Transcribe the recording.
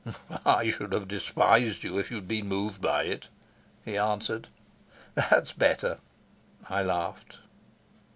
"I should have despised you if you'd been moved by it," he answered. "That's better," I laughed.